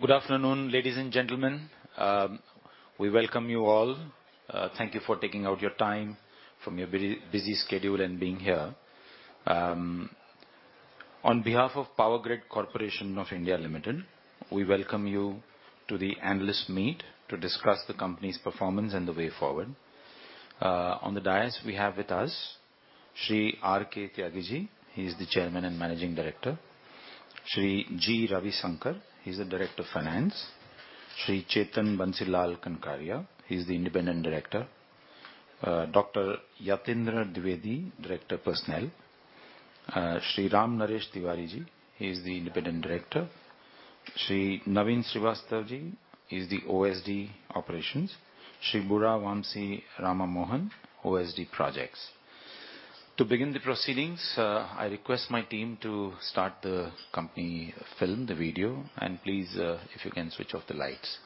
Good afternoon, ladies and gentlemen. We welcome you all. Thank you for taking out your time from your busy, busy schedule and being here. On behalf of Power Grid Corporation of India Limited, we welcome you to the analyst meet to discuss the company's performance and the way forward. On the dais we have with us, Shri R.K. Tyagi. He is the Chairman and Managing Director. Shri G. Ravisankar, he's the Director of Finance. Shri Chetan Bansilal Kankaria, he's the Independent Director. Dr. Yatindra Dwivedi, Director, Personnel. Shri Ram Naresh Tiwari, he is the Independent Director. Shri Naveen Srivastava, he's the OSD, Operations. Shri Burra Vamsi Rama Mohan, OSD, Projects. To begin the proceedings, I request my team to start the company film, the video, and please, if you can, switch off the lights.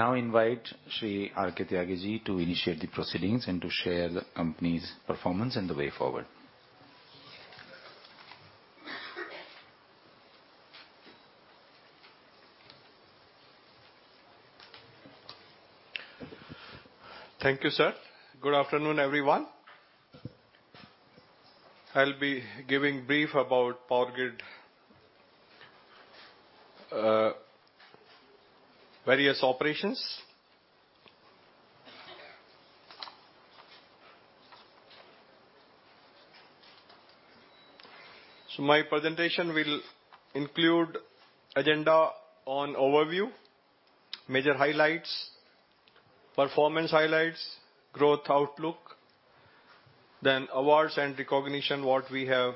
I now invite Shri R.K. Tyagi to initiate the proceedings and to share the company's performance and the way forward. Thank you, sir. Good afternoon, everyone. I'll be giving brief about Power Grid, various operations. So my presentation will include agenda on overview, major highlights, performance highlights, growth outlook, then awards and recognition, what we have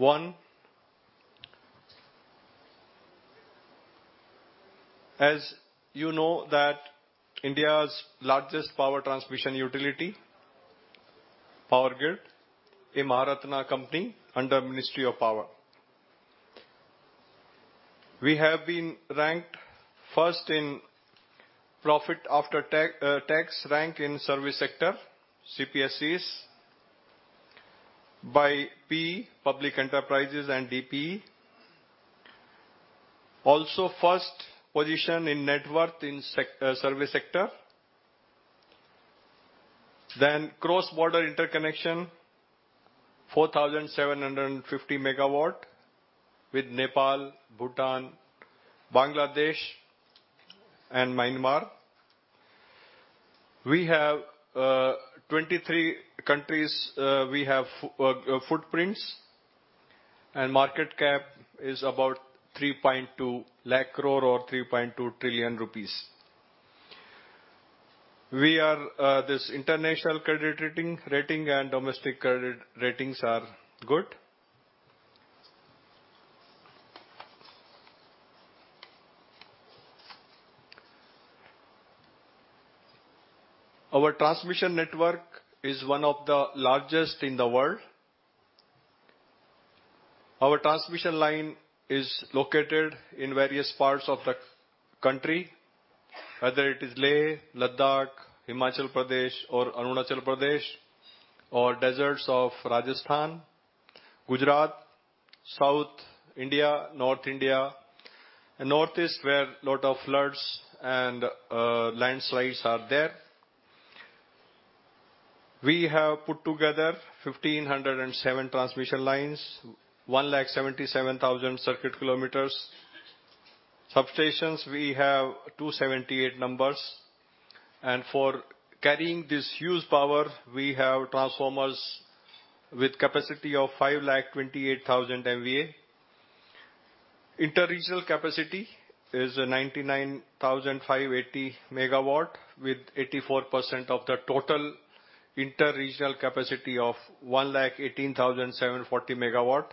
won. As you know that India's largest power transmission utility, Power Grid, a Maharatna company under Ministry of Power. We have been ranked first in profit after tax rank in service sector, CPSEs, by PE, public enterprises and DPE. Also, first position in net worth in service sector. Then cross-border interconnection, 4,750 MW with Nepal, Bhutan, Bangladesh, and Myanmar. We have 23 countries, we have footprints, and market cap is about 3.2 lakh crore or 3.2 trillion rupees. We are this international credit rating and domestic credit ratings are good. Our transmission network is one of the largest in the world. Our transmission line is located in various parts of the country, whether it is Leh, Ladakh, Himachal Pradesh or Arunachal Pradesh or deserts of Rajasthan, Gujarat, South India, North India, and Northeast, where lot of floods and landslides are there. We have put together 1,507 transmission lines, 1,77,000 circuit kilometers. Substations, we have 278 numbers, and for carrying this huge power, we have transformers with capacity of 5,28,000 MVA. Inter-regional capacity is 99,580 MW, with 84% of the total inter-regional capacity of 1,18,740 MW.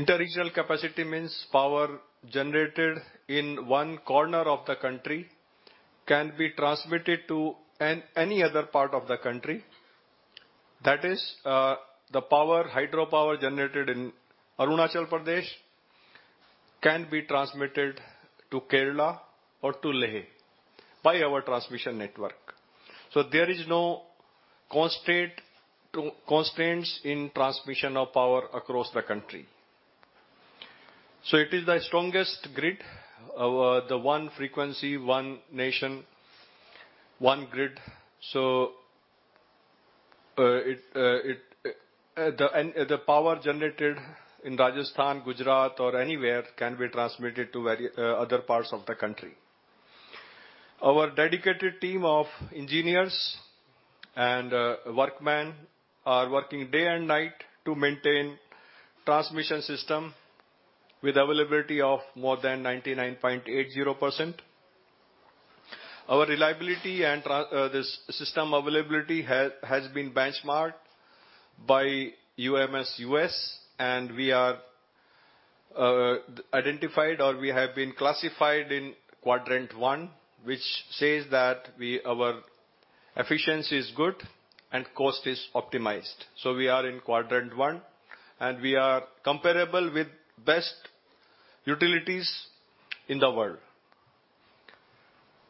Inter-regional capacity means power generated in one corner of the country can be transmitted to any other part of the country. That is, the hydropower generated in Arunachal Pradesh can be transmitted to Kerala or to Leh by our transmission network. So there is no constraint to constraints in transmission of power across the country. So it is the strongest grid, the One frequency, One nation, One grid, so, and the power generated in Rajasthan, Gujarat, or anywhere can be transmitted to various other parts of the country. Our dedicated team of engineers and workmen are working day and night to maintain transmission system with availability of more than 99.80%. Our reliability and this system availability has been benchmarked by UMS U.S., and we are identified, or we have been classified in quadrant one, which says that our efficiency is good and cost is optimized. So we are in quadrant one, and we are comparable with best utilities in the world.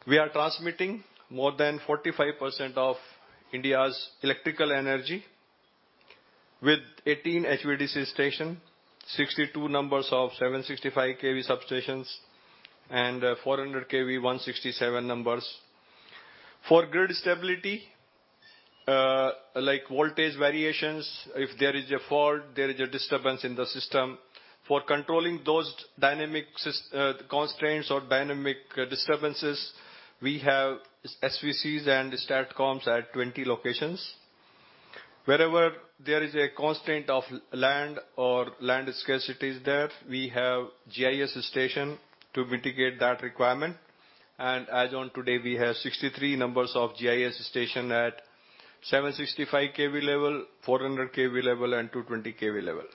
We are transmitting more than 45% of India's electrical energy, with 18 HVDC station, 62 numbers of 765 kV substations, and 400 kV, 167 numbers. For grid stability, like voltage variations, if there is a fault, there is a disturbance in the system. For controlling those dynamic constraints or dynamic disturbances, we have SVCs and STATCOMS at 20 locations. Wherever there is a constraint of land or land scarcity is there, we have GIS station to mitigate that requirement, and as on today, we have 63 numbers of GIS station at 765 kV level, 400 kV level, and 220 kV level.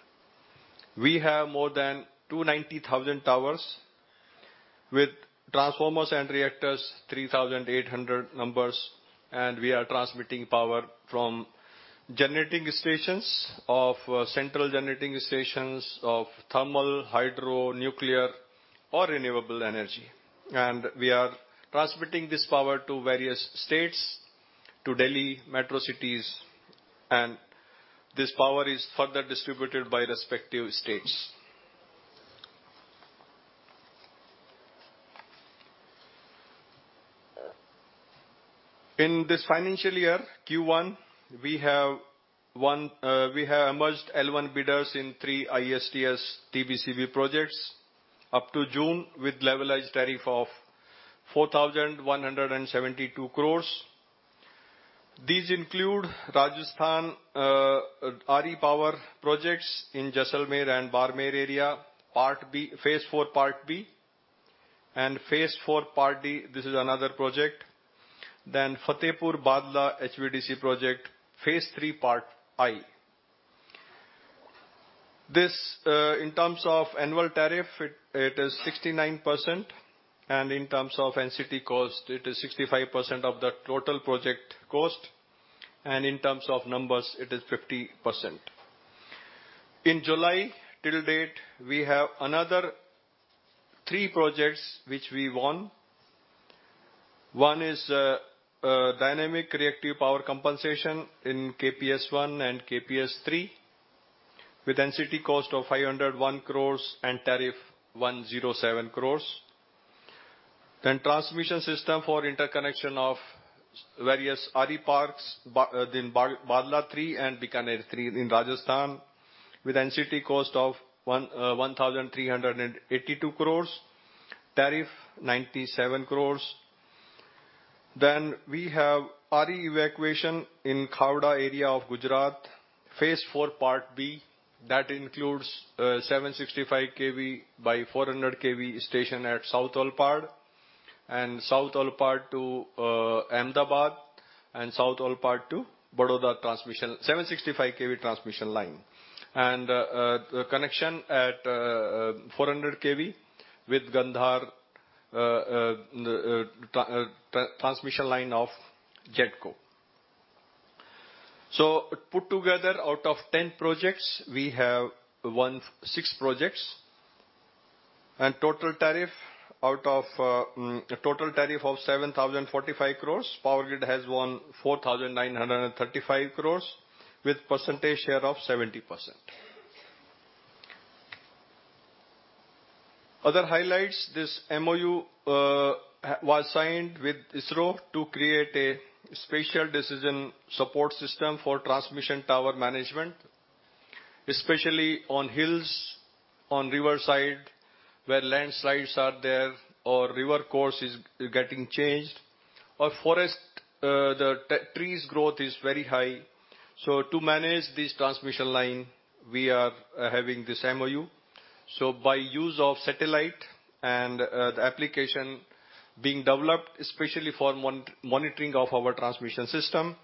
We have more than 290,000 towers, with transformers and reactors, 3,800 numbers, and we are transmitting power from generating stations of central generating stations of thermal, hydro, nuclear, or renewable energy. We are transmitting this power to various states, to Delhi metro cities, and this power is further distributed by respective states. In this financial year, Q1, we have won, we have emerged L1 bidders in three ISTS TBCB projects up to June, with a levelized tariff of 4,172 crores. These include Rajasthan RE power projects in Jaisalmer and Barmer area, part B- phase IV, part B, and phase IV, part D. This is another project. Fatehpur-Bhadla HVDC project, phase III, part I. This, in terms of annual tariff, it is 69%, and in terms of NCT cost, it is 65% of the total project cost, and in terms of numbers, it is 50%. In July, till date, we have another 3 projects which we won. One is dynamic reactive power compensation in KPS1 and KPS3, with NCT cost of 501 crore and tariff 107 crore. Then transmission system for interconnection of various RE parks, Bhadla-III and Bikaner-III in Rajasthan, with NCT cost of 1,382 crore, tariff 97 crore. Then we have RE evacuation in Khavda area of Gujarat, phase IV, part B. That includes, 765 kV by 400 kV station at South Olpad, and South Olpad to, Ahmedabad, and South Olpad to Baroda transmission, 765 kV transmission line. And, connection at, 400 kV with Gandhar, transmission line of GETCO. So put together, out of 10 projects, we have won six projects. And total tariff out of, a total tariff of 7,045 crores, Power Grid has won 4,935 crores, with percentage share of 70%. Other highlights, this MoU was signed with ISRO to create a spatial decision support system for transmission tower management, especially on hills, on river side, where landslides are there or river course is getting changed, or forest, the trees growth is very high. So to manage this transmission line, we are having this MoU. So by use of satellite and the application being developed, especially for monitoring of our transmission system,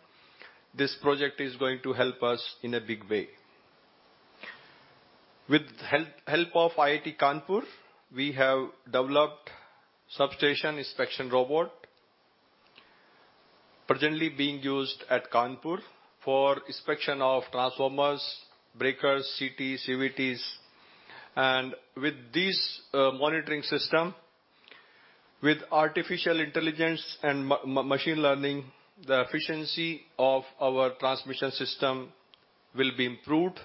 this project is going to help us in a big way. With help of IIT Kanpur, we have developed substation inspection robot, presently being used at Kanpur for inspection of transformers, breakers, CTs, CVTs. And with this monitoring system, with Artificial Intelligence and Machine Learning, the efficiency of our transmission system will be improved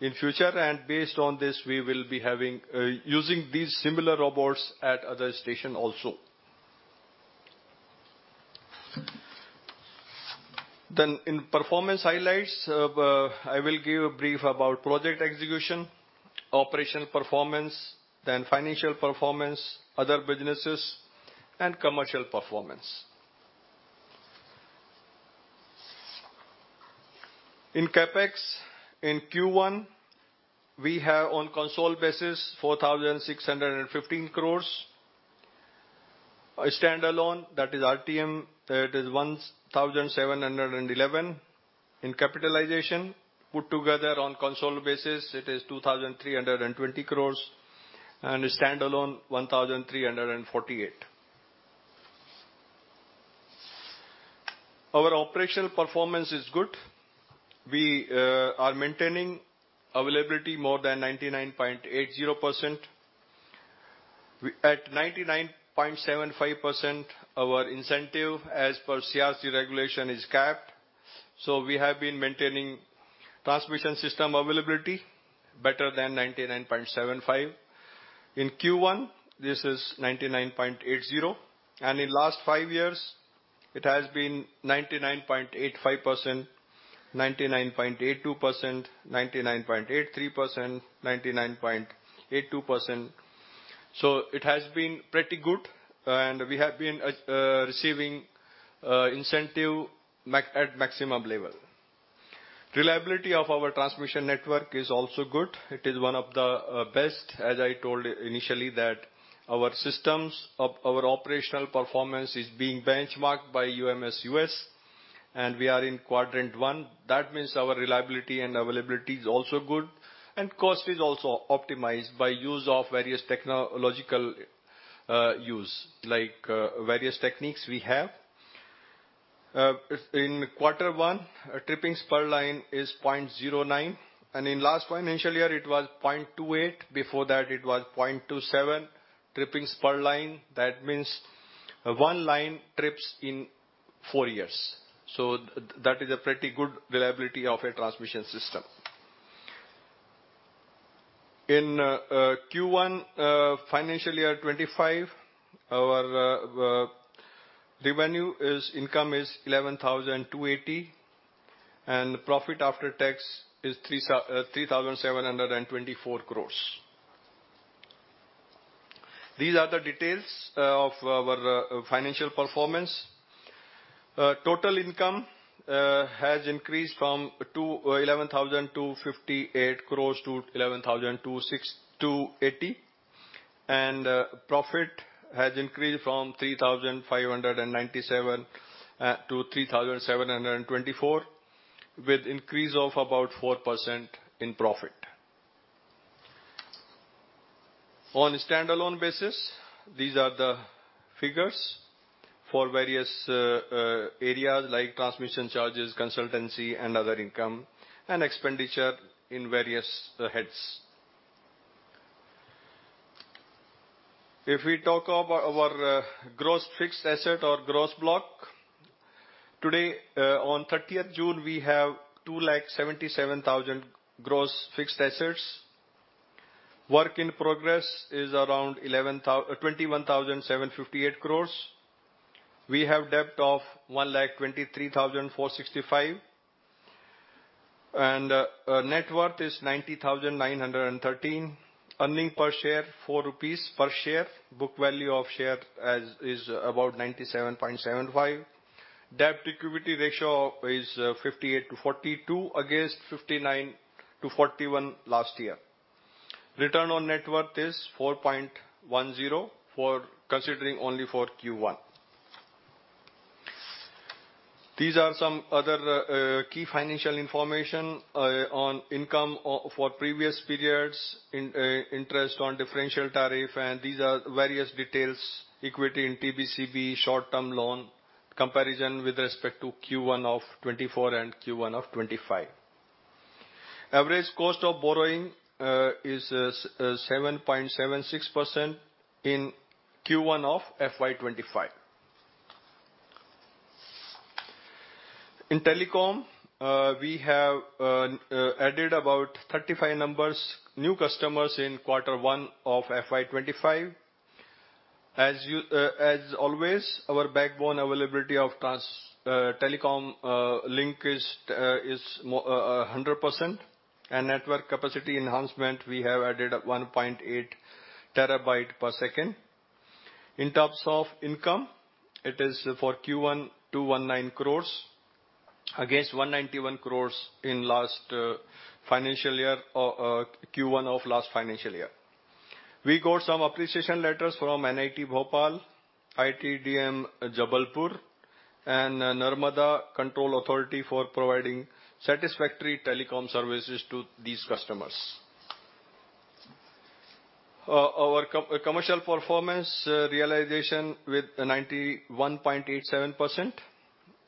in future, and based on this, we will be having using these similar robots at other station also. Then in performance highlights, I will give a brief about project execution, operational performance, then financial performance, other businesses, and commercial performance. In CapEx, in Q1, we have on consolidated basis, 4,615 crore. Standalone, that is RTM, that is 1,711. In capitalization, put together on consolidated basis, it is 2,320 crore, and standalone, 1,348. Our operational performance is good. We are maintaining availability more than 99.80%. At 99.75%, our incentive as per CRC regulation is capped, so we have been maintaining transmission system availability better than 99.75%. In Q1, this is 99.80%, and in last five years, it has been 99.85%, 99.82%, 99.83%, 99.82%. So it has been pretty good, and we have been receiving incentive at maximum level. Reliability of our transmission network is also good. It is one of the best, as I told initially, that our systems of our operational performance is being benchmarked by UMS U.S., and we are in quadrant one. That means our reliability and availability is also good, and cost is also optimized by use of various technological use, like various techniques we have. In quarter one, our trippings per line is 0.09, and in last financial year, it was 0.28. Before that, it was 0.27 trippings per line. That means one line trips in four years. So that is a pretty good reliability of a transmission system. In Q1, financial year 2025, our revenue is, income is 11,280 crore, and profit after tax is 3,724 crore. These are the details of our financial performance. Total income has increased from 11,258 crore to 11,262.80 crore, and profit has increased from 3,597 crore to 3,724 crore, with increase of about 4% in profit. On a standalone basis, these are the figures for various areas like transmission charges, consultancy, and other income, and expenditure in various heads. If we talk about our gross fixed asset or gross block, today, on 30 June, we have 277,000 crore gross fixed assets. Work in progress is around 21,758 crore. We have debt of 123,465 crore, and net worth is 90,913 crore. Earning per share, 4 rupees per share. Book value of share as is about 97.75. Debt to equity ratio is 58/42, against 59/41 last year. Return on net worth is 4.10 for considering only for Q1. These are some other key financial information on income of for previous periods, in interest on differential tariff, and these are various details, equity in TBCB, short-term loan, comparison with respect to Q1 of 2024 and Q1 of 2025. Average cost of borrowing is 7.76% in Q1 of FY 2025. In telecom, we have added about 35 numbers, new customers in quarter one of FY 2025. As you, as always, our backbone availability of trans, telecom, link is, is more, a hundred percent, and network capacity enhancement, we have added 1.8 TB/s. In terms of income, it is for Q1, 219 crores, against 191 crores in last, financial year, or, Q1 of last financial year. We got some appreciation letters from NIT Bhopal, IIITDM Jabalpur, and Narmada Control Authority for providing satisfactory telecom services to these customers. Our commercial performance, realization with 91.87%,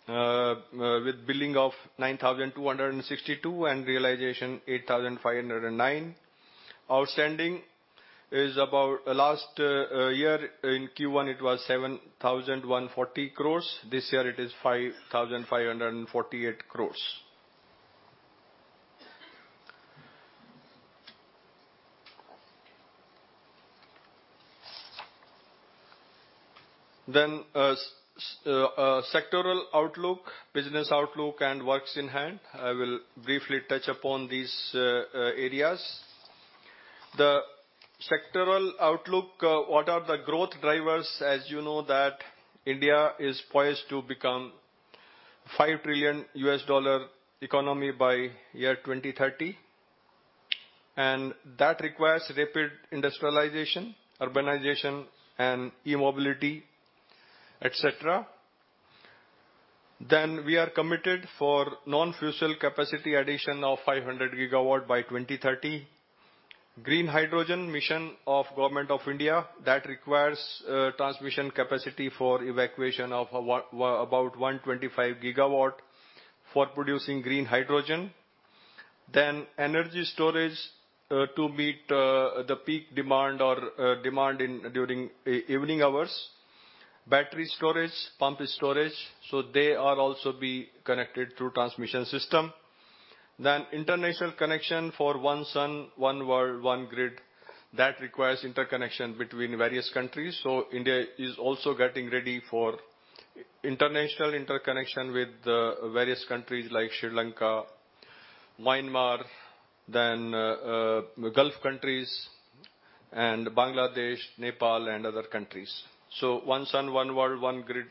with billing of 9,262, and realization 8,509. Outstanding is about, last, year in Q1, it was 7,140 crores. This year it is 5,548 crores. Then, sectoral outlook, business outlook, and works in hand. I will briefly touch upon these, areas. The sectoral outlook, what are the growth drivers? As you know that India is poised to become $5 trillion economy by 2030, and that requires rapid industrialization, urbanization, and e-mobility, et cetera. Then, we are committed for non-fossil capacity addition of 500 GW by 2030. Green hydrogen mission of government of India, that requires, transmission capacity for evacuation of about 125 GW for producing green hydrogen. Then energy storage, to meet, the peak demand or, demand in, during evening hours. Battery storage, pump storage, so they are also be connected through transmission system. Then international connection for one sun, one world, one grid, that requires interconnection between various countries. So India is also getting ready for international interconnection with various countries like Sri Lanka, Myanmar, then Gulf countries, and Bangladesh, Nepal, and other countries. So one sun, one world, one grid,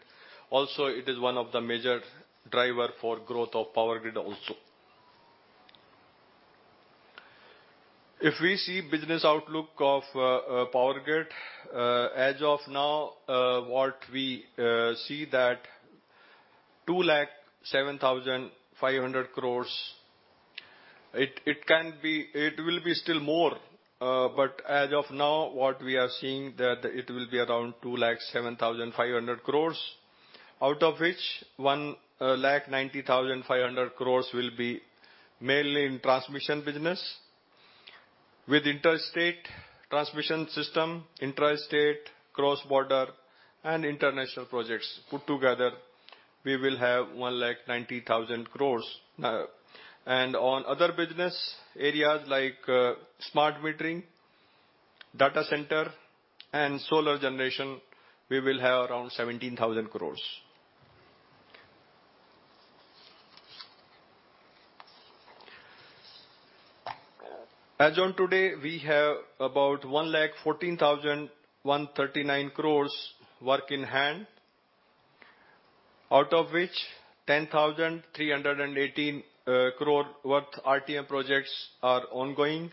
also, it is one of the major driver for growth of Power Grid also. If we see business outlook of Power Grid, as of now, what we see that 207,500 crore. It, it can be, it will be still more, but as of now, what we are seeing that it will be around 207,500 crore, out of which one lakh ninety thousand five hundred crore will be mainly in transmission business. With interstate transmission system, intrastate, cross-border, and international projects put together, we will have 190,000 crore now. On other business areas like smart metering, data center, and solar generation, we will have around 17,000 crore. As on today, we have about 114,139 crore work in hand, out of which 10,318 crore worth RTM projects are ongoing.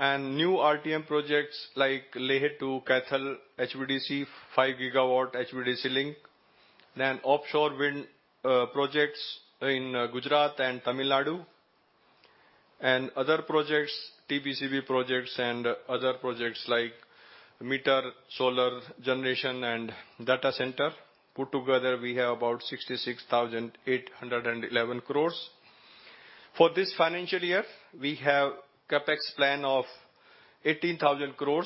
New RTM projects like Leh to Kaithal HVDC 5 GW HVDC link, then offshore wind projects in Gujarat and Tamil Nadu, and other projects, TBCB projects and other projects like meter, solar generation, and data center. Put together, we have about 66,811 crore. For this financial year, we have CapEx plan of 18,000 crore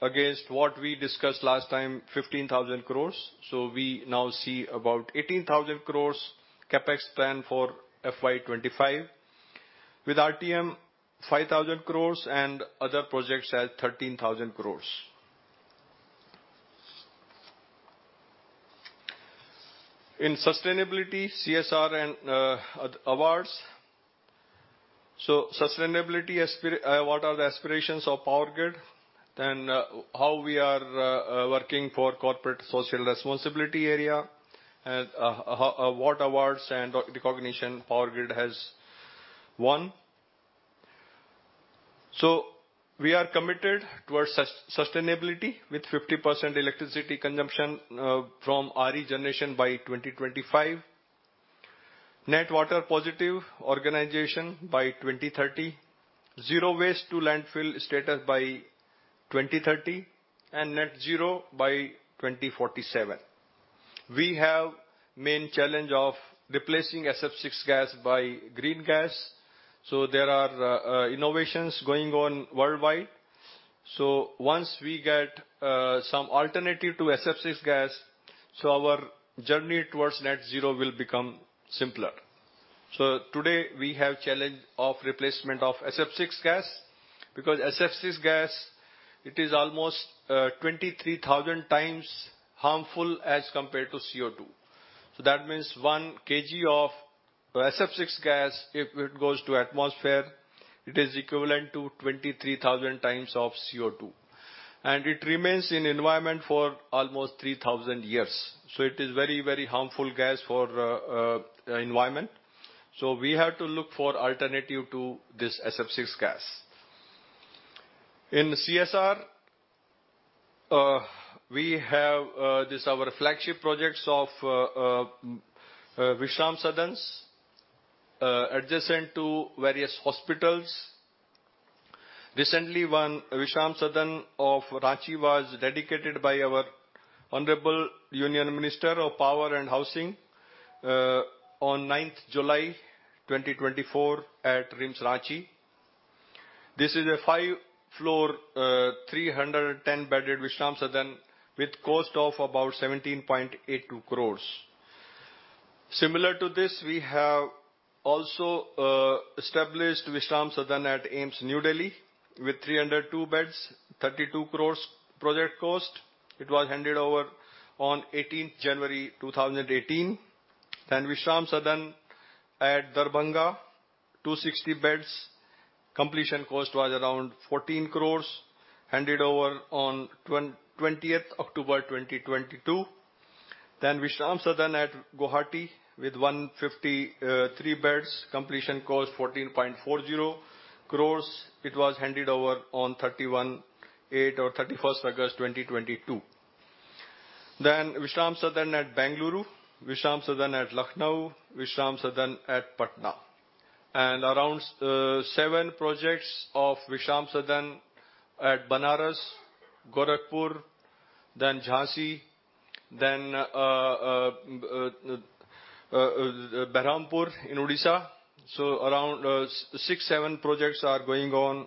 against what we discussed last time, 15,000 crore. We now see about 18,000 crore CapEx plan for FY 2025, with RTM 5,000 crore and other projects at 13,000 crore. In sustainability, CSR and awards. So sustainability aspirations, what are the aspirations of Power Grid, then, how we are working for corporate social responsibility area, and what awards and recognition Power Grid has won. So we are committed towards sustainability, with 50% electricity consumption from RE generation by 2025, net water positive organization by 2030, zero waste to landfill status by 2030, and net zero by 2047. We have main challenge of replacing SF6 gas by green gas. So there are innovations going on worldwide. So once we get some alternative to SF6 gas, so our journey towards net zero will become simpler. So today, we have challenge of replacement of SF6 gas, because SF6 gas, it is almost 23,000 times harmful as compared to CO2. So that means one kg of SF6 gas, if it goes to atmosphere, it is equivalent to 23,000 times of CO2, and it remains in environment for almost 3,000 years. So it is very, very harmful gas for the environment. So we have to look for an alternative to this SF6 gas. In CSR, we have this our flagship projects of Vishram Sadan adjacent to various hospitals. Recently, one Vishram Sadan of Ranchi was dedicated by our Honorable Union Minister of Power and Housing on ninth July 2024, at RIMS, Ranchi. This is a five-floor 310-bedded Vishram Sadan with cost of about 17.82 crores. Similar to this, we have also established Vishram Sadan at AIIMS, New Delhi, with 302 beds, 32 crores project cost. It was handed over on 18th January 2018. Then Vishram Sadan at Darbhanga, 260 beds. Completion cost was around 14 crore, handed over on 20th October 2022. Then, Vishram Sadan at Guwahati with 153 beds. Completion cost 14.40 crore. It was handed over on August 31st 2022. Then Vishram Sadan at Bengaluru, Vishram Sadan at Lucknow, Vishram Sadan at Patna. And around seven projects of Vishram Sadan at Banaras, Gorakhpur, then Jhansi, then Berhampur in Odisha. So around six, seven projects are going on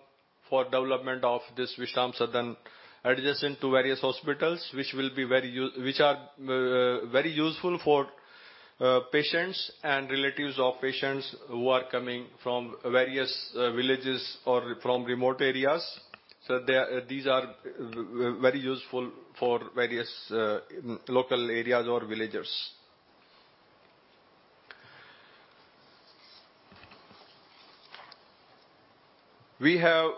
for development of this Vishram Sadan adjacent to various hospitals, which are very useful for patients and relatives of patients who are coming from various villages or from remote areas. So, these are very useful for various local areas or villagers. We have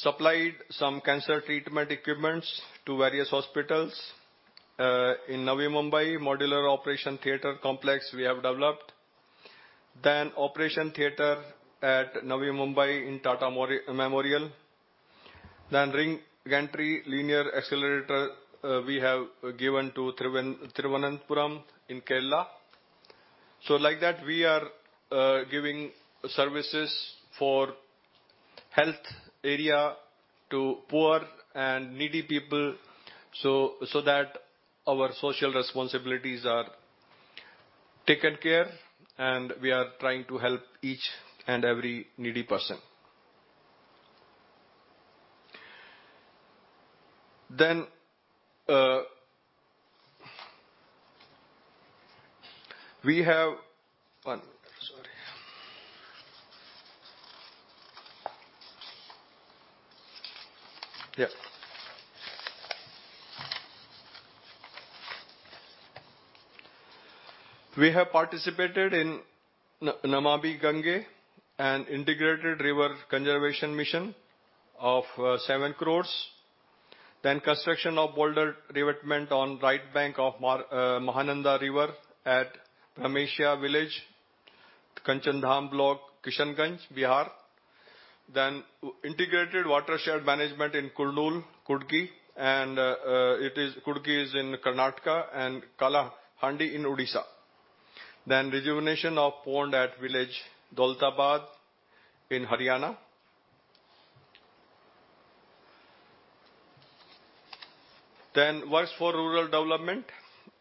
supplied some cancer treatment equipment to various hospitals. In Navi Mumbai, Modular Operation Theater complex, we have developed. Then Operation Theater at Navi Mumbai in Tata Memorial. Then Ring Gantry Linear Accelerator, we have given to Thiruvananthapuram in Kerala. So like that, we are giving services for health area to poor and needy people, so that our social responsibilities are taken care, and we are trying to help each and every needy person. Then, we have... One minute, sorry. Yeah. We have participated in Namami Gange, an integrated river conservation mission of 7 crore. Then construction of boulder revetment on right bank of the Mahananda River at Ramesha village, Kochadhaman Block, Kishanganj, Bihar. Integrated Watershed Management in Kurnool, Kudgi, and it is Kudgi is in Karnataka and Kalahandi in Odisha. Rejuvenation of pond at village Daultabad in Haryana. Works for rural development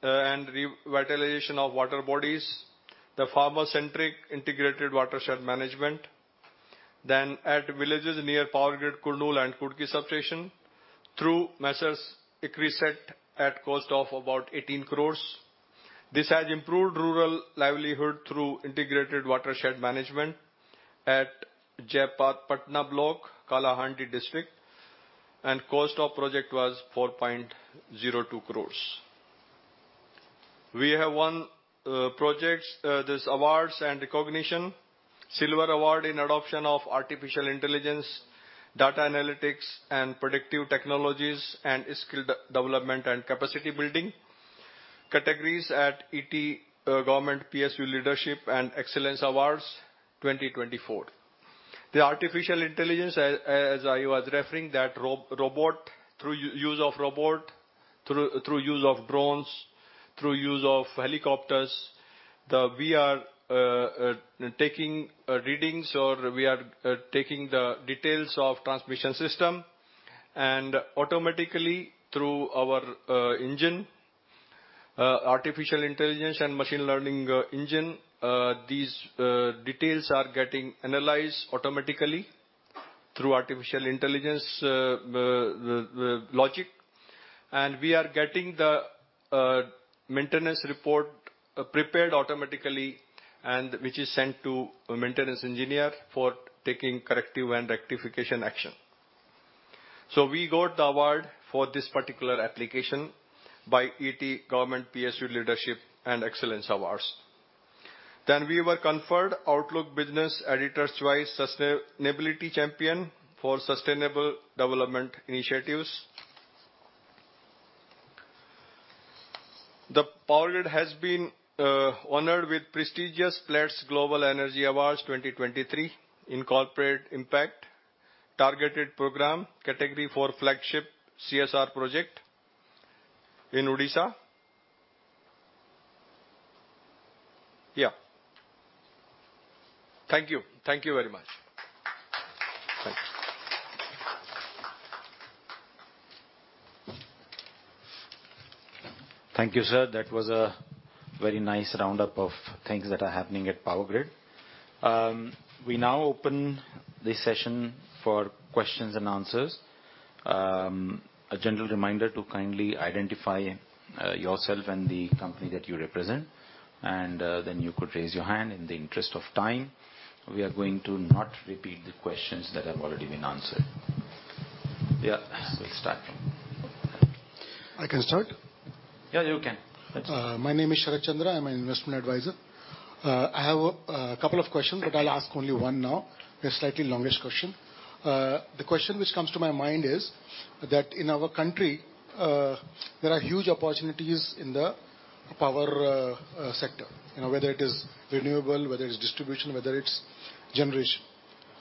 and revitalization of water bodies, the farmer-centric integrated watershed management. At villages near PowerGrid, Kurnool and Kudgi substation, through measures increased at cost of about 18 crore. This has improved rural livelihood through integrated watershed management at Jaipatna Block, Kalahandi district, and cost of project was 4.02 crore. We have won projects this awards and recognition. Silver Award in Adoption of Artificial Intelligence, Data Analytics, and Predictive Technologies, and Skill Development and Capacity Building Categories at ET Government PSU Leadership and Excellence Awards, 2024. The artificial intelligence, as I was referring, that robot, through use of robot, through use of drones, through use of helicopters, the VR, taking readings, or we are taking the details of transmission system and automatically through our engine artificial intelligence and machine learning engine these details are getting analyzed automatically through artificial intelligence, the logic. And we are getting the maintenance report prepared automatically, and which is sent to a maintenance engineer for taking corrective and rectification action. So we got the award for this particular application by ET Government PSU Leadership and Excellence Awards. Then we were conferred Outlook Business Editor's Choice Sustainability Champion for sustainable development initiatives. The Power Grid has been honored with prestigious Platts Global Energy Awards 2023 in corporate impact, targeted program category for flagship CSR project in Odisha. Yeah. Thank you. Thank you very much. Thanks you. Thank you, sir. That was a very nice roundup of things that are happening at Power Grid. We now open the session for questions and answers. A general reminder to kindly identify yourself and the company that you represent, and then you could raise your hand. In the interest of time, we are going to not repeat the questions that have already been answered. Yeah, so let's start. I can start? Yeah, you can. My name is Sharad Chandra. I'm an investment advisor. I have a couple of questions, but I'll ask only one now, a slightly longish question. The question which comes to my mind is, that in our country, there are huge opportunities in the power sector, you know, whether it is renewable, whether it's distribution, whether it's generation.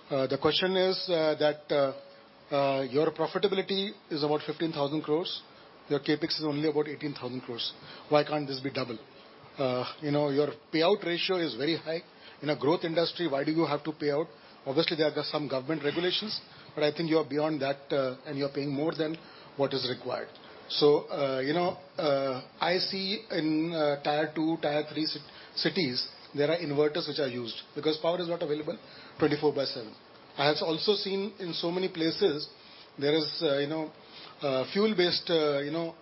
The question is, that your profitability is about 15,000 crore. Your CapEx is only about 18,000 crore. Why can't this be double? You know, your payout ratio is very high. In a growth industry, why do you have to pay out? Obviously, there are some government regulations, but I think you are beyond that, and you are paying more than what is required. So, you know, I see in tier two, tier three cities, there are inverters which are used because power is not available 24/7. I have also seen in so many places there is, you know, fuel-based, you know,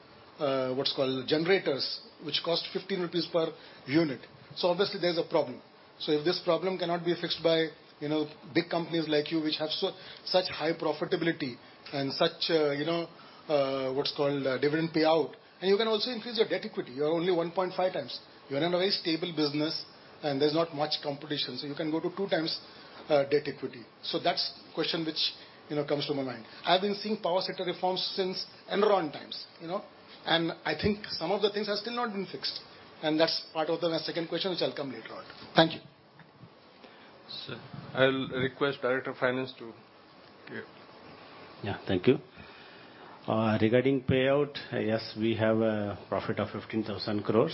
what's called generators, which cost 15 rupees per unit. So obviously, there's a problem. So if this problem cannot be fixed by, you know, big companies like you, which have such high profitability and such, you know, what's called a dividend payout, and you can also increase your debt equity. You are only 1.5x. You are in a very stable business, and there's not much competition, so you can go to 2 times debt equity. So that's the question which, you know, comes to my mind. I've been seeing power sector reforms since Enron times, you know, and I think some of the things have still not been fixed. That's part of the, my second question, which I'll come later on. Thank you. Sir, I'll request Director of Finance to... Yeah. Yeah, thank you. Regarding payout, yes, we have a profit of 15,000 crore.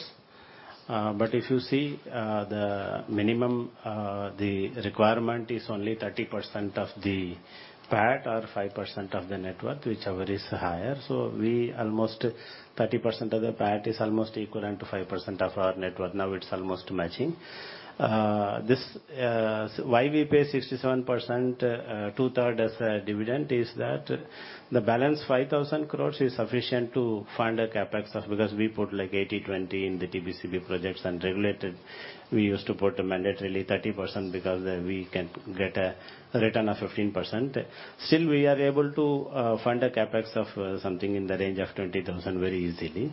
But if you see, the minimum, the requirement is only 30% of the PAT or 5% of the net worth, whichever is higher. So almost 30% of the PAT is almost equivalent to 5% of our net worth. Now, it's almost matching. This, so why we pay 67%, two-third, as a dividend, is that the balance, 5,000 crore, is sufficient to fund a CapEx of... Because we put, like, 80/20 in the TBCB projects and regulated. We used to put a mandatorily 30% because, we can get a return of 15%. Still, we are able to fund a CapEx of something in the range of 20,000 crore very easily.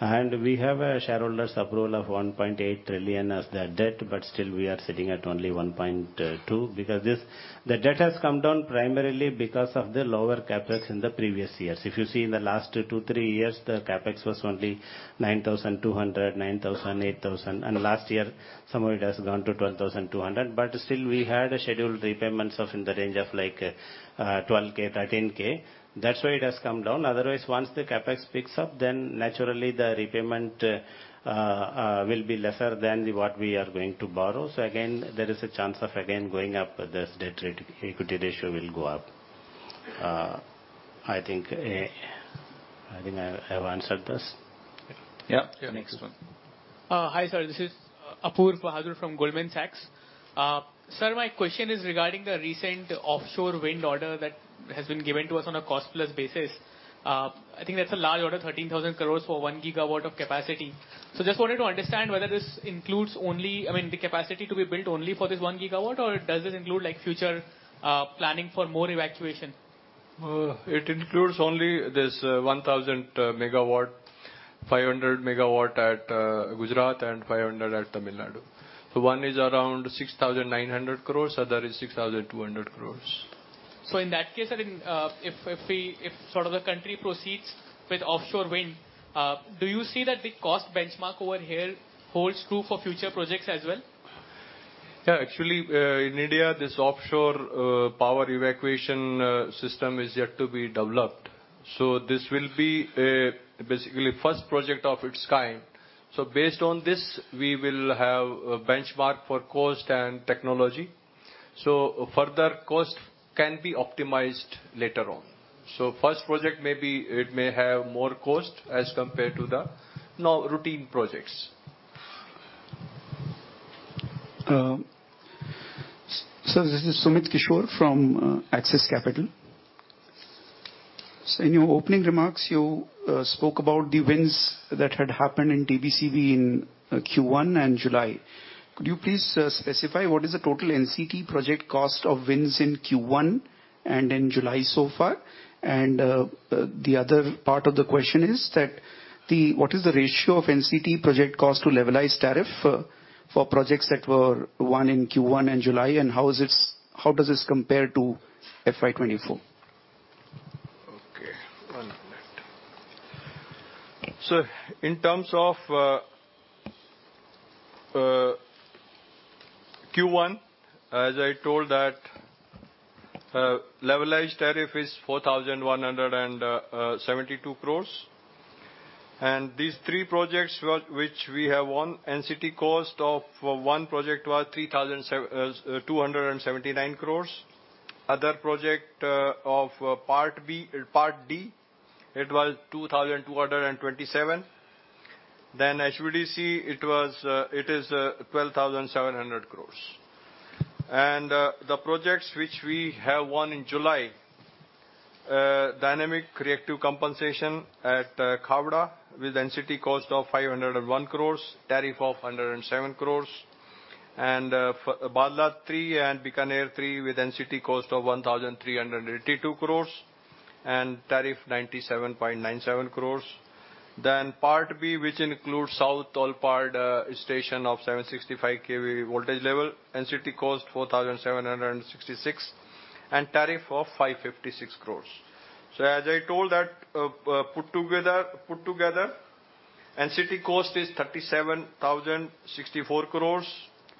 We have shareholders approval of 1.8 trillion as the debt, but still, we are sitting at only 1.2, because this, the debt has come down primarily because of the lower CapEx in the previous years. If you see in the last two, three years, the CapEx was only 9,200 crore, 9,000 crore, 8,000 crore, and last year, some of it has gone to 12,200 crore. But still, we had scheduled repayments of in the range of like, 12,000 crore-13,000 crore. That's why it has come down. Otherwise, once the CapEx picks up, then naturally the repayment will be lesser than what we are going to borrow. So again, there is a chance of again going up, this debt equity ratio will go up. I think, I think I have answered this. Yeah. Yeah, next one. Hi, sir, this is Apoorva Bahadur from Goldman Sachs. Sir, my question is regarding the recent offshore wind order that has been given to us on a cost-plus basis. I think that's a large order, 13,000 crore for 1 GW of capacity. So just wanted to understand whether this includes only, I mean, the capacity to be built only for this 1 GW, or does this include, like, future planning for more evacuation? It includes only this 1,000 MW, 500 MW at Gujarat and 500 at Tamil Nadu. So one is around 6,900 crores, other is 6,200 crores. In that case, I mean, if sort of the country proceeds with offshore wind, do you see that the cost benchmark over here holds true for future projects as well? Yeah, actually, in India, this offshore power evacuation system is yet to be developed. So this will be basically first project of its kind. So based on this, we will have a benchmark for cost and technology. So further cost can be optimized later on. So first project may be, it may have more cost as compared to the now routine projects. So this is Sumit Kishore from Axis Capital. So in your opening remarks, you spoke about the wins that had happened in TBCB in Q1 and July. Could you please specify what is the total NCT project cost of wins in Q1 and in July so far? And the other part of the question is what is the ratio of NCT project cost to levelized tariff for projects that were won in Q1 and July, and how does this compare to FY 2024? Okay. One minute. So in terms of Q1, as I told that, levelized tariff is 4,172 crore. And these three projects were which we have won, NCT cost of one project was 3,779 crore. Other project of Part B, Part D, it was 2,227 crore. Then HVDC, it was, it is, 12,700 crore. And the projects which we have won in July, dynamic reactive compensation at Khavda, with NCT cost of 501 crore, tariff of 107 crore. And for Bhadla-III and Bikaner-III, with NCT cost of 1,382 crore and tariff of 97.97 crore. Then Part B, which includes South Olpad station of 765 kV voltage level, NCT cost 4,766 crore, and tariff of 556 crore. So as I told that, put together, NCT cost is 37,064 crore.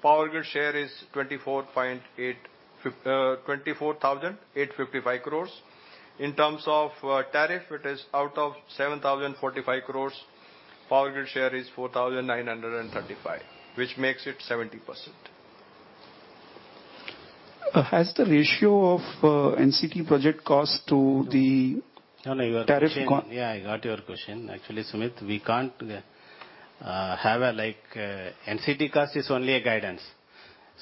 Power Grid share is 24,855 crore. In terms of tariff, it is out of 7,045 crore. Power Grid share is 4,935 crore, which makes it 70%. Has the ratio of NCT project cost to the- No, no, your question- Tariff- Yeah, I got your question. Actually, Sumit, we can't have, like, NCT cost is only a guidance.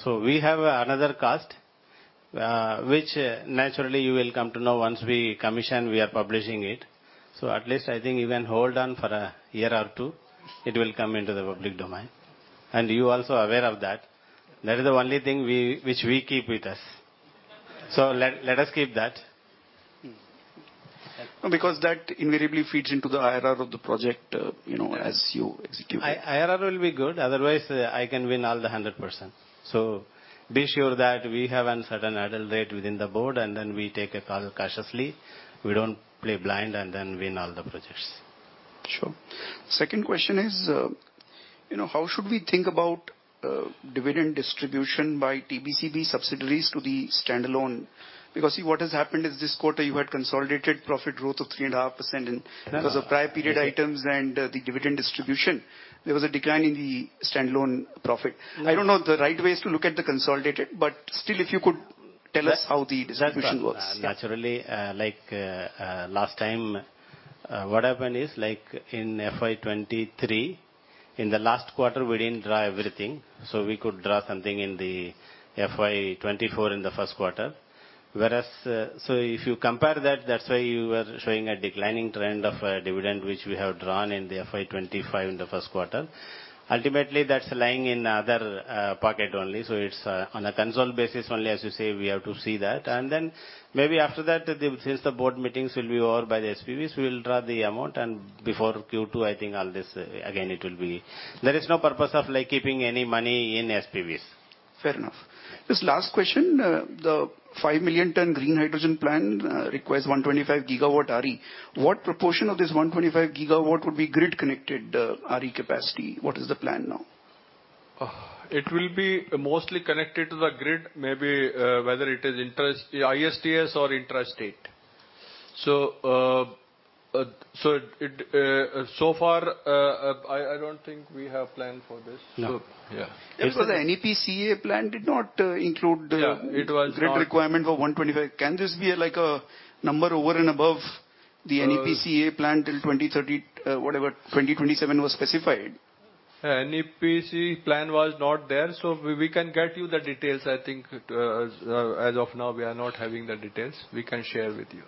So we have another cost, which naturally you will come to know once we commission, we are publishing it. So at least I think you can hold on for a year or two, it will become into the public domain. And you also aware of that, that is the only thing we which we keep with us. So let us keep that. Because that invariably feeds into the IRR of the project, you know, as you execute it. If IRR will be good, otherwise, I can win all 100%. So be sure that we have a certain hurdle rate within the board, and then we take a call cautiously. We don't play blind and then win all the projects. Sure. Second question is, you know, how should we think about, dividend distribution by TBCB subsidiaries to the standalone? Because see, what has happened is this quarter, you had consolidated profit growth of 3.5%, and because of prior period items and the dividend distribution, there was a decline in the standalone profit. Yeah. I don't know, the right way is to look at the consolidated, but still, if you could tell us how the distribution works. Naturally, like, last time, what happened is, like in FY 2023, in the last quarter, we didn't draw everything, so we could draw something in the FY 2024 in the first quarter. Whereas, so if you compare that, that's why you were showing a declining trend of dividend, which we have drawn in the FY 2025 in the first quarter. Ultimately, that's lying in other pocket only. So it's on a consolidated basis only, as you say, we have to see that. And then maybe after that, since the board meetings will be over by the SPVs, we will draw the amount, and before Q2, I think all this, again, it will be. There is no purpose of, like, keeping any money in SPVs. Fair enough. This last question, the 5 million ton green hydrogen plant, requires 125 GW RE. What proportion of this 125 GW would be grid-connected, RE capacity? What is the plan now? It will be mostly connected to the grid, maybe, whether it is inter- ISTS or intrastate. So, so far, I don't think we have planned for this. No. Yeah. Because the NEP plan did not include the- Yeah, it was not- Grid requirement for 125. Can this be like a number over and above the NEP plan- Uh till 2030, whatever, 2027 was specified? NEP plan was not there, so we can get you the details, I think. As of now, we are not having the details. We can share with you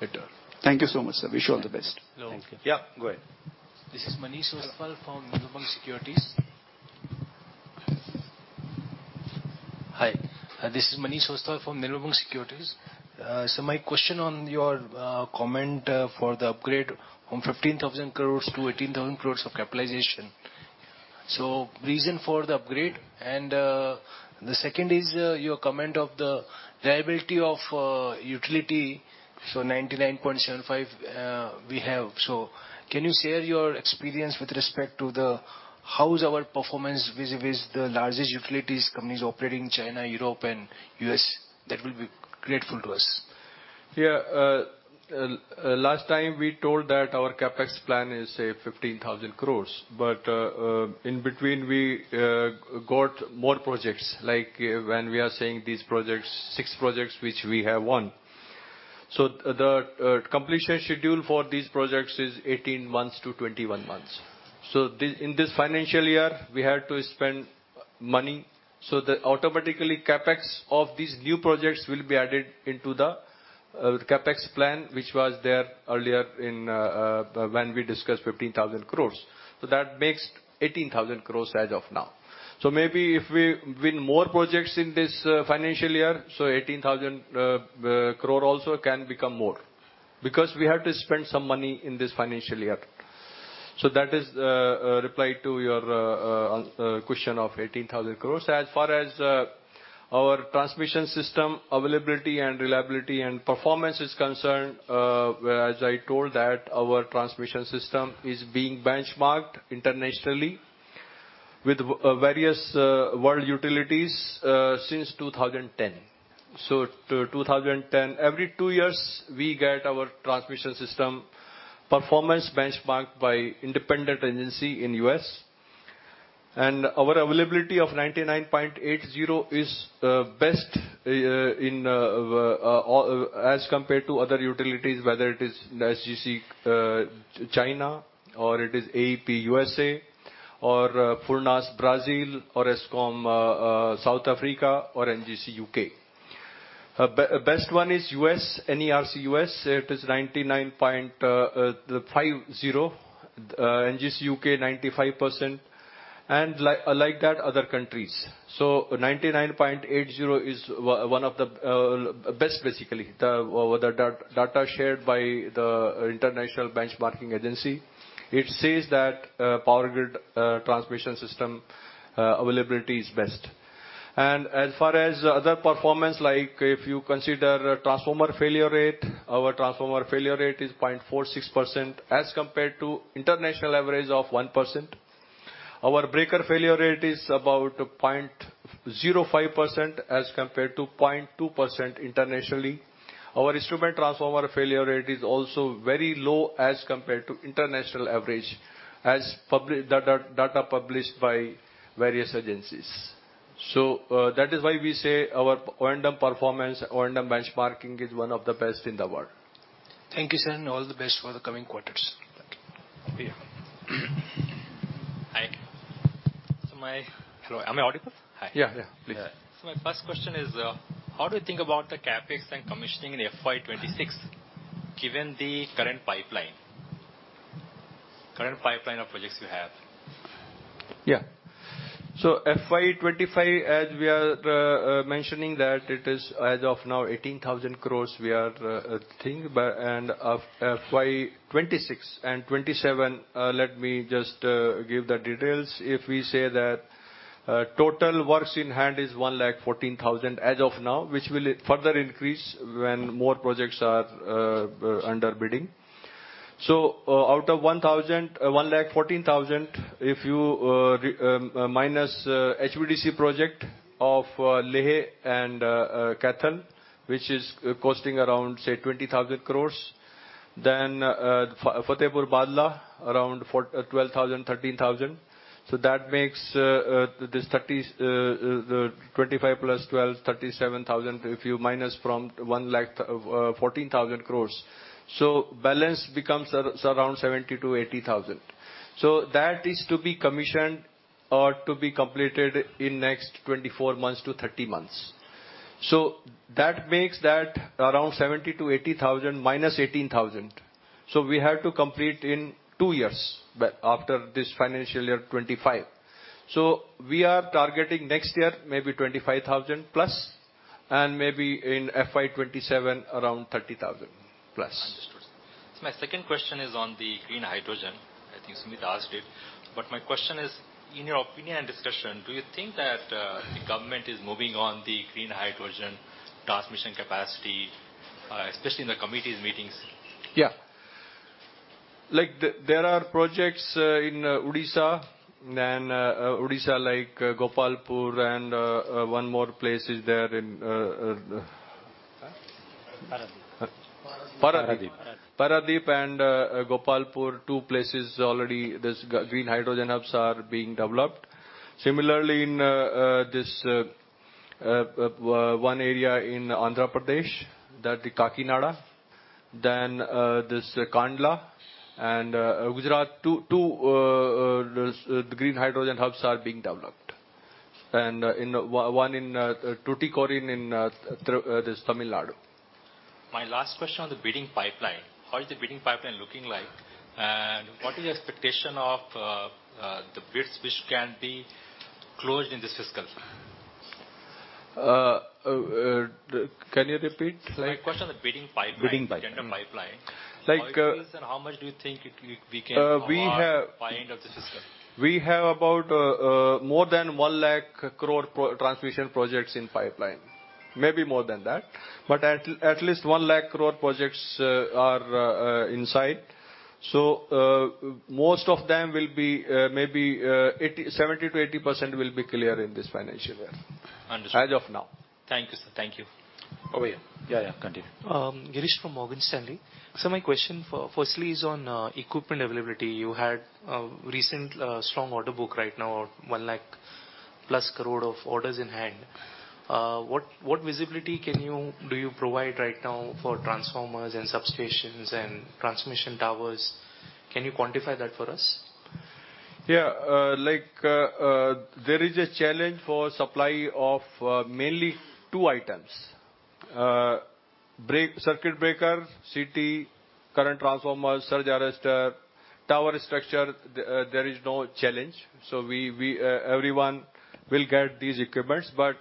later. Thank you so much, sir. Wish you all the best. No, thank you. Yeah, go ahead. This is Manish Saxena from Mirabaud Securities. Hi, this is Manish Saxena from Mirabaud Securities. So my question on your comment for the upgrade from 15,000 crore to 18,000 crore of capitalization. So reason for the upgrade, and the second is your comment of the viability of utility, so 99.75 we have. So can you share your experience with respect to the? How is our performance vis-a-vis the largest utilities companies operating in China, Europe, and U.S.? That will be grateful to us. Yeah, last time we told that our CapEx plan is, say, 15,000 crore. But, in between, we got more projects, like when we are saying these projects, 6 projects which we have won. So the completion schedule for these projects is 18 months to 21 months. So this, in this financial year, we had to spend money, so that automatically CapEx of these new projects will be added into the CapEx plan, which was there earlier in, when we discussed 15,000 crore. So that makes 18,000 crore as of now. So maybe if we win more projects in this financial year, so 18,000 crore also can become more, because we have to spend some money in this financial year. So that is a reply to your question of 18,000 crore. As far as our transmission system availability and reliability and performance is concerned, as I told that our transmission system is being benchmarked internationally since 2010. Since 2010, every two years, we get our transmission system performance benchmarked by independent agency in U.S. And our availability of 99.80% is best as compared to other utilities, whether it is SGCC, China, or it is AEP, USA, or Furnas, Brazil, or Eskom, South Africa, or NGC, U.K. Best one is U.S. NERC, U.S., it is 99.50%, NGC, U.K., 95%, and like that, other countries. So 99.80 is one of the best, basically. The data shared by the International Benchmarking Agency, it says that Power Grid transmission system availability is best. And as far as other performance, like if you consider a transformer failure rate, our transformer failure rate is 0.46%, as compared to international average of 1%. Our breaker failure rate is about 0.05%, as compared to 0.2% internationally. Our instrument transformer failure rate is also very low as compared to international average, as data published by various agencies. So that is why we say our O&M performance, O&M benchmarking is one of the best in the world. Thank you, sir, and all the best for the coming quarters. Thank you. Hi. Hello, am I audible? Hi. Yeah, yeah, please. So my first question is, how do you think about the CapEx and commissioning in FY 26, given the current pipeline? Current pipeline of projects you have. Yeah. So FY 2025, as we are mentioning that it is, as of now, 18,000 crore, we are thinking. But and of FY 2026 and 2027, let me just give the details. If we say that total works in hand is 114,000 crore as of now, which will further increase when more projects are under bidding. So, out of 114,000 crore, if you minus HVDC project of Leh and Kaithal, which is costing around, say, 20,000 crore, then Fatehpur-Bhadla, around 12,000-13,000 crore. So that makes this thirty, 25 plus 12, 37,000, if you minus from 114,000 crore. So balance becomes around 70,000-80,000 crore. So that is to be commissioned or to be completed in next 24-30 months. So that makes that around 70-80 thousand, minus 18 thousand. So we have to complete in 2 years, but after this financial year 2025. So we are targeting next year, maybe 25 thousand plus, and maybe in FY 2027, around 30 thousand plus. Understood. My second question is on the green hydrogen. I think Sumit asked it, but my question is, in your opinion and discussion, do you think that the government is moving on the green hydrogen transmission capacity, especially in the committees meetings? Yeah. Like there are projects in Odisha, and Odisha, like Gopalpur, and one more place is there in Paradip. Paradip. Paradip. Paradip and Gopalpur, two places already, this green hydrogen hubs are being developed. Similarly, in this one area in Andhra Pradesh, that the Kakinada, then this Kandla, and Gujarat, two two green hydrogen hubs are being developed. And in one in Tuticorin in this Tamil Nadu. My last question on the bidding pipeline. How is the bidding pipeline looking like? And what is the expectation of the bids which can be closed in this fiscal? Can you repeat? Like- My question on the bidding pipeline- Bidding pipeline... tender pipeline. Like, uh- How it is and how much do you think it, we can- We have- By end of the fiscal. We have about more than 100,000 crore power transmission projects in pipeline. Maybe more than that, but at least 100,000 crore projects are inside. So, most of them will be maybe 70%-80% will be clear in this financial year. Understood. As of now. Thank you, sir. Thank you. Over here. Yeah, yeah, continue. Girish from Morgan Stanley. My question firstly is on equipment availability. You had recent strong order book right now, 100,000 crore plus of orders in hand. What visibility can you provide right now for transformers and substations and transmission towers? Can you quantify that for us? Yeah, like, there is a challenge for supply of, mainly two items. Breaker, circuit breaker, CT, current transformers, surge arrester, tower structure, there is no challenge. So we, everyone will get these equipments, but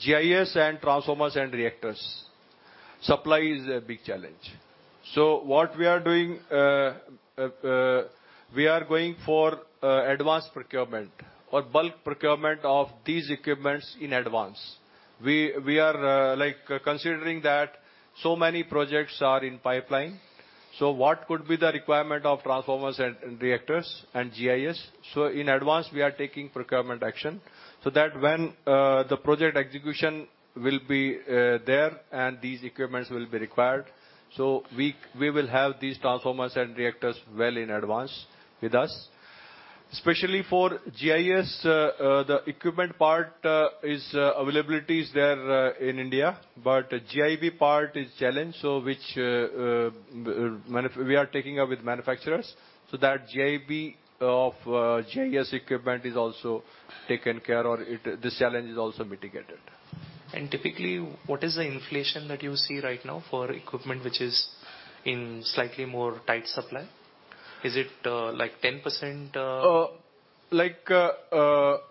GIS and transformers and reactors, supply is a big challenge. So what we are doing, we are going for, advanced procurement or bulk procurement of these equipments in advance. We are, like, considering that so many projects are in pipeline, so what could be the requirement of transformers and reactors and GIS? So in advance, we are taking procurement action, so that when the project execution will be there, and these equipments will be required, so we will have these transformers and reactors well in advance with us. Especially for GIS, the equipment part, availability is there in India, but GIS part is challenged, so we are taking up with manufacturers, so that GIS of GIS equipment is also taken care of. This challenge is also mitigated. Typically, what is the inflation that you see right now for equipment, which is in slightly more tight supply? Is it, like 10%? Like,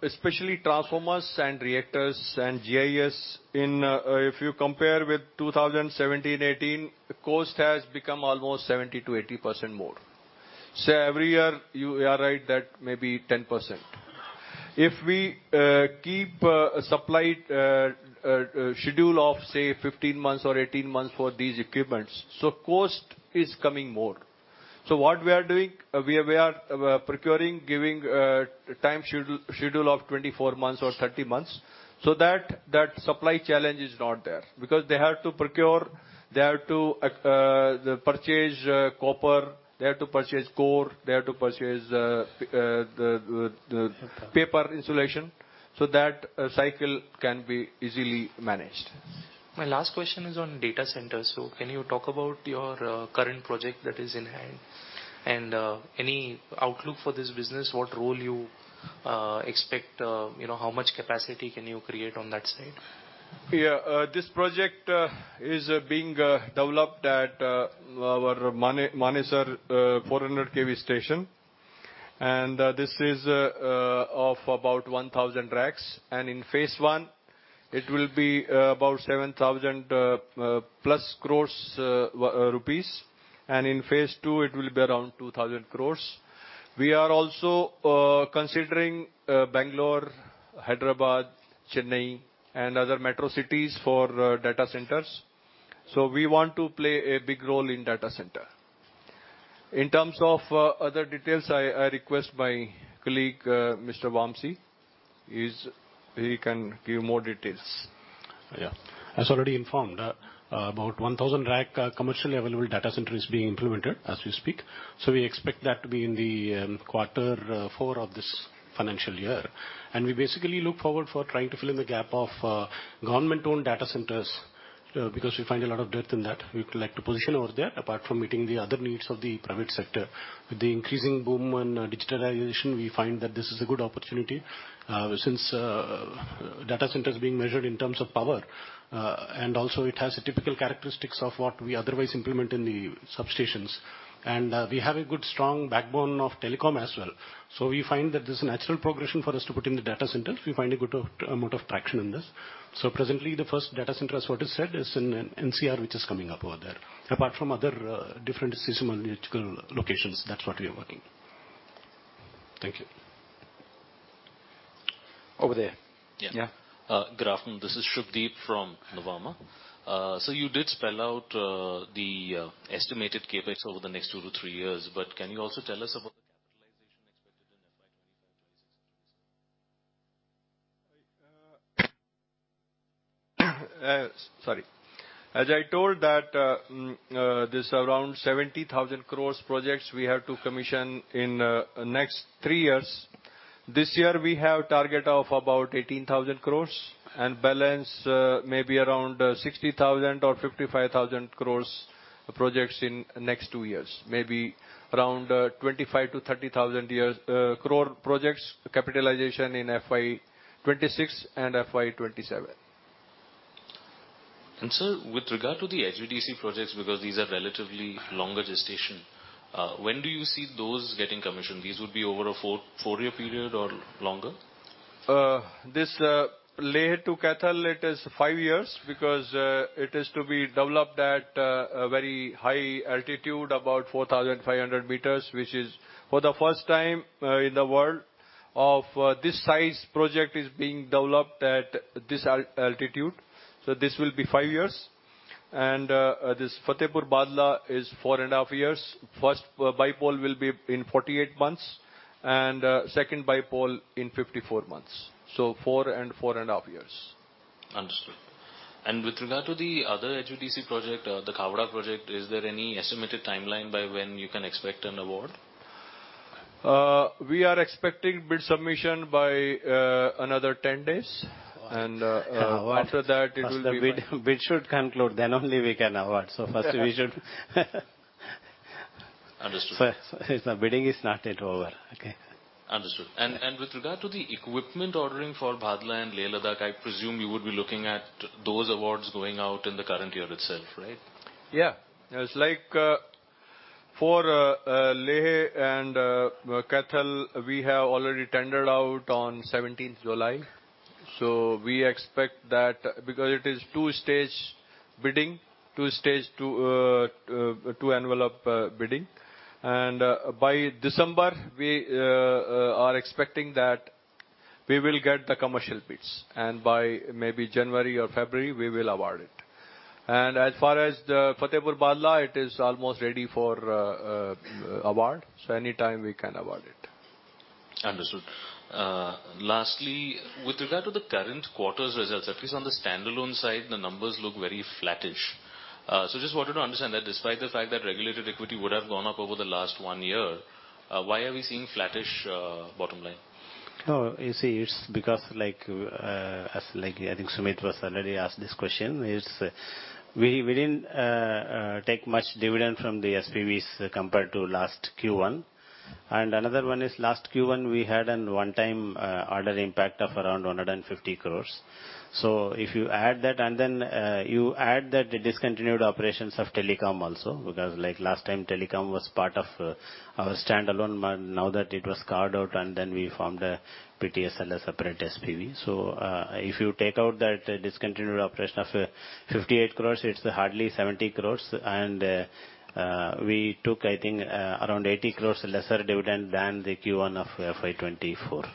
especially transformers and reactors and GIS, if you compare with 2017-18, the cost has become almost 70%-80% more. So every year, you are right, that may be 10%. If we keep supply schedule of, say, 15 months or 18 months for these equipments, so cost is coming more. So what we are doing, we are procuring, giving time schedule of 24 months or 30 months, so that supply challenge is not there. Because they have to procure, they have to purchase copper, they have to purchase core, they have to purchase the paper insulation, so that cycle can be easily managed. My last question is on data centers. So can you talk about your current project that is in hand, and any outlook for this business? What role you expect, you know, how much capacity can you create on that side? Yeah, this project is being developed at our Manesar 400 kV station, and this is of about 1,000 racks, and in phase I, it will be about 7,000+ crore rupees, and in phase II, it will be around 2,000 crore. We are also considering Bangalore, Hyderabad, Chennai and other metro cities for data centers. So we want to play a big role in data center. In terms of other details, I request my colleague Mr. Vamsi; he can give more details. Yeah. As already informed, about 1,000-rack commercially available data center is being implemented as we speak. So we expect that to be in the quarter four of this financial year. We basically look forward for trying to fill in the gap of government-owned data centers because we find a lot of depth in that. We would like to position over there, apart from meeting the other needs of the private sector. With the increasing boom in digitalization, we find that this is a good opportunity since data centers being measured in terms of power and also it has a typical characteristics of what we otherwise implement in the substations. We have a good, strong backbone of telecom as well. So we find that there's a natural progression for us to put in the data centers. We find a good amount of traction in this. So presently, the first data center, as what is said, is in NCR, which is coming up over there. Apart from other, different system locations, that's what we are working. Thank you. Over there. Yeah. Yeah. Good afternoon, this is Subhadip from Nuvama. So you did spell out the estimated CapEx over the next 2-3 years, but can you also tell us about the capitalization expected in FY 2025, 2026? Sorry. As I told that, this around 70,000 crore projects we have to commission in next three years. This year, we have target of about 18,000 crore, and balance, maybe around 60,000 or 55,000 crore projects in next two years. Maybe around 25,000-30,000 crore projects, capitalization in FY 2026 and FY 2027. Sir, with regard to the HVDC projects, because these are relatively longer gestation, when do you see those getting commissioned? These would be over a 4, 4-year period or longer? This Leh to Kaithal, it is 5 years, because it is to be developed at a very high altitude, about 4,500 meters, which is for the first time in the world of this size project is being developed at this altitude, so this will be 5 years. And this Fatehpur-Bhadla is 4.5 years. First bipole will be in 48 months, and second bipole in 54 months. So 4 and 4.5 years. Understood. And with regard to the other AGTC project, the Khawda project, is there any estimated timeline by when you can expect an award? We are expecting bid submission by another 10 days. And, after that, it will be- Bid, bid should conclude, then only we can award. So first we should... Understood. First, the bidding is not yet over. Okay. Understood. And with regard to the equipment ordering for Bhadla and Leh Ladakh, I presume you would be looking at those awards going out in the current year itself, right? Yeah. It's like, for Leh and Kaithal, we have already tendered out on July 17th. So we expect that... Because it is two-stage bidding, two-stage, two envelope bidding. And by December, we are expecting that we will get the commercial bids, and by maybe January or February, we will award it. And as far as the Fatehpur-Bhadla, it is almost ready for award, so anytime we can award it. Understood. Lastly, with regard to the current quarter's results, at least on the standalone side, the numbers look very flattish. So just wanted to understand that despite the fact that regulated equity would have gone up over the last one year, why are we seeing a flattish bottom line? No, you see, it's because like, as like, I think Sumit was already asked this question, is we, we didn't take much dividend from the SPVs compared to last Q1. And another one is last Q1, we had a one-time order impact of around 150 crores. So if you add that, and then, you add that the discontinued operations of telecom also, because like last time, telecom was part of our standalone, but now that it was carved out, and then we formed a PTSL, a separate SPV. So, if you take out that discontinued operation of 58 crores, it's hardly 70 crores. And, we took, I think, around 80 crores lesser dividend than the Q1 of FY 2024.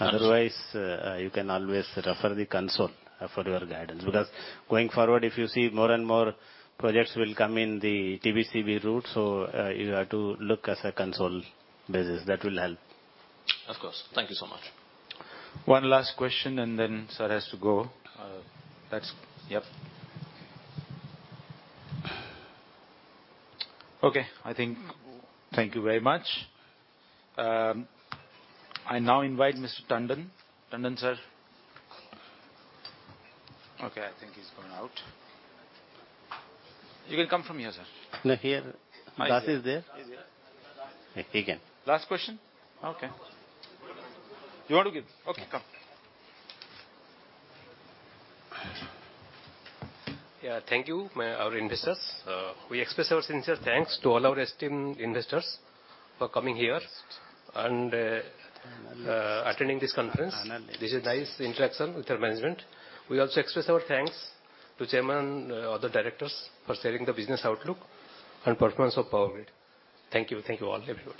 Understood. Otherwise, you can always refer the console for your guidance, because going forward, if you see more and more projects will come in the TBCB route, so, you have to look as a console business. That will help. Of course. Thank you so much. One last question, and then sir has to go. Okay, I think thank you very much. I now invite Mr. Tandon. Tandon, sir. Okay, I think he's gone out. You can come from here, sir. No, here. Das is there. He's here. He can. Last question? Okay. You want to give? Okay, come. Yeah, thank you, our investors. We express our sincere thanks to all our esteemed investors for coming here and attending this conference. Anand. This is nice interaction with our management. We also express our thanks to Chairman, other directors for sharing the business outlook and performance of Power Grid. Thank you. Thank you all, everybody.